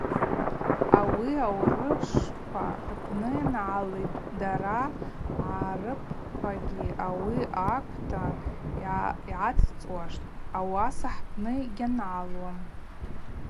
Ауи аурышвква рпны йангӏалитӏ, дара агӏарыпквагьи ауи акӏвта гӏацӏцӏуаштӏ, ауаса хӏпны йгьангӏалуам.